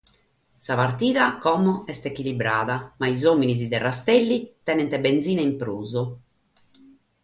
Sa partida immoe est echilibrada, ma is òmines de Rastelli tenent benzina in prus.